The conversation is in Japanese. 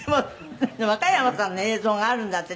でも若山さんの映像があるんだって。